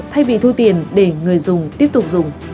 thay vì thu tiền để người dùng tiếp tục dùng